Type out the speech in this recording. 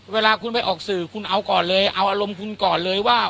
เวลาคุณไปออกสื่อคุณเอาก่อนเลยเอาอารมณ์คุณก่อนเลยว่า